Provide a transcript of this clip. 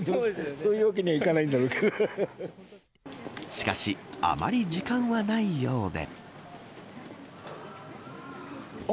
しかしあまり時間はないようで。